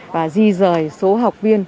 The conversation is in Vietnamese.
và di rời số học viên